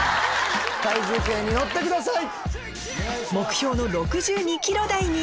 体重計に乗ってください。